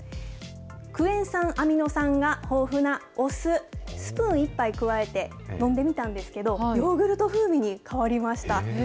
クエン酸、アミノ酸が豊富なお酢、スプーン１杯加えて飲んでみたんですけど、ヨーグルト風味に変わりました。